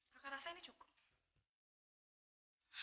kakak rasa ini cukup